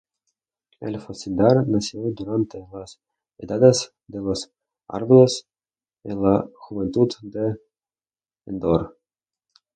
Elfo Sindar nacido durante las Edades de los Árboles, en la juventud de Endor.